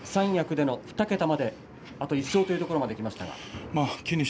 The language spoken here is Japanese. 三役での２桁まであと１勝というところまできましたね。